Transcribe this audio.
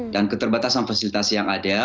dan keterbatasan fasilitasi yang ada